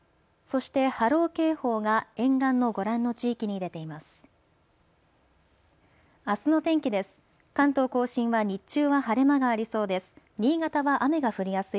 そして波浪警報が沿岸のご覧の地域に出ています。